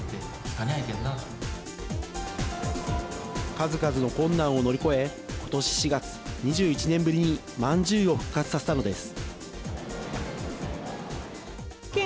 数々の困難を乗り越えことし４月、２１年ぶりにまんじゅうを復活させたのです。